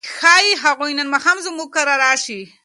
ښايي هغوی نن ماښام زموږ کره راشي.